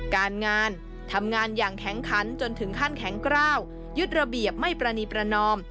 การงานทำงานอย่างแข็งขันจนถึงขั้นแข็งกล้าวยึดระเบียบไม่ปรณีประนอม